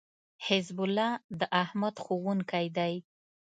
حزب الله داحمد ښوونکی دی